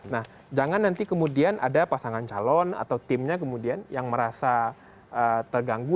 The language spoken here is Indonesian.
nah jangan nanti kemudian ada pasangan calon atau timnya kemudian yang merasa terganggu